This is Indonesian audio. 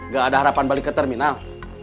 gak ada harapan balik ke terminal